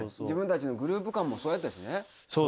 自分たちのグループ間もそうやったしね。